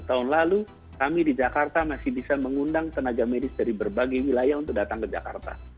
tahun lalu kami di jakarta masih bisa mengundang tenaga medis dari berbagai wilayah untuk datang ke jakarta